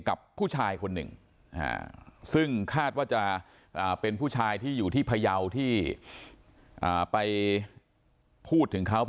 กับผู้ชายคนหนึ่งซึ่งคาดว่าจะเป็นผู้ชายที่อยู่ที่พยาวที่ไปพูดถึงเขา